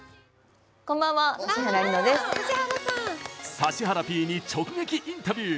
指原Ｐに直撃インタビュー！